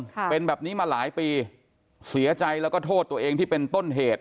ค่ะเป็นแบบนี้มาหลายปีเสียใจแล้วก็โทษตัวเองที่เป็นต้นเหตุ